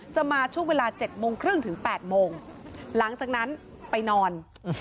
จะมาช่วงเวลา๗โมงครึ่งถึง๘โมงหลังจากนั้นไปนอน